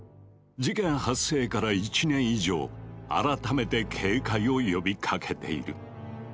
事件発生から１年以上改めて警戒を呼びかけている。